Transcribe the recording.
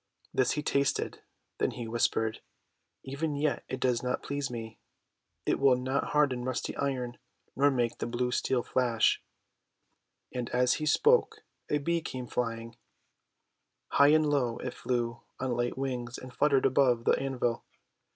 This he tasted, then he whispered :— ;<Even yet it does not please me. It will not harden rusty Iron, nor make the blue Steel flash.'2 And as he spoke, a Bee came flying. High and WHY UNLUCKY IRON KILLS 293 low it flew on light wings, and flittered above the anvil.